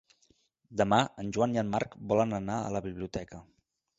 Demà en Joan i en Marc volen anar a la biblioteca.